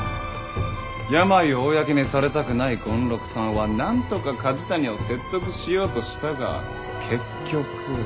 病を公にされたくない権六さんはなんとか梶谷を説得しようとしたが結局。